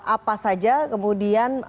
apa saja kemudian